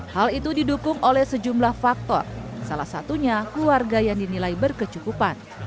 hal itu didukung oleh sejumlah faktor salah satunya keluarga yang dinilai berkecukupan